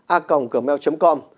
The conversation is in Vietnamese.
a còng gmail com